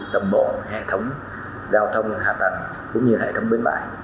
đồng bộ hệ thống giao thông hạ tầng cũng như hệ thống bến bãi